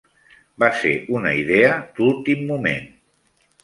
Va ser una idea d'últim moment.